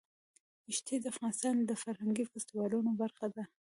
ښتې د افغانستان د فرهنګي فستیوالونو برخه ده.